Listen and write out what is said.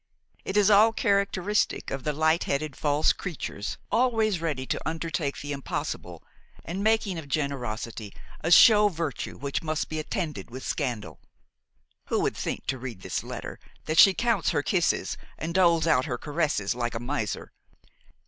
It is all characteristic of the light headed, false creatures, always ready to undertake the impossible and making of generosity a show virtue which must be attended with scandal! Who would think, to read this letter, that she counts her kisses and doles out her caresses like a miser!"